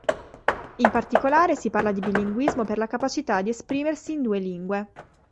In particolare si parla di bilinguismo per la capacità di esprimersi in due lingue.